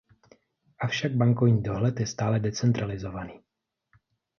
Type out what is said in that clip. Avšak bankovní dohled je stále decentralizovaný.